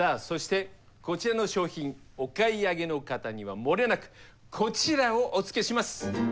そしてこちらの商品お買い上げの方にはもれなくこちらをおつけします。